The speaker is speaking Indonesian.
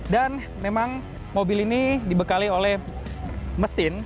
dan memang mobil ini dibekali oleh mesin